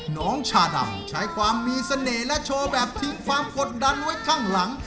น้องชาดำใช้ความมีเสน่ห์และโชว์แบบทิ้งความกดดันไว้ข้างหลัง